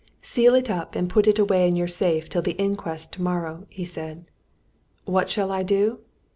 "Seal it up and put it away in your safe till the inquest tomorrow," he said. "What shall I do?